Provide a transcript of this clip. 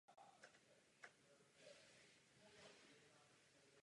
Jsem velice smutný, že jsem to musel dnes znovu udělat.